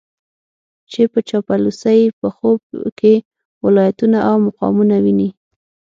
چې په چاپلوسۍ په خوب کې ولايتونه او مقامونه ويني.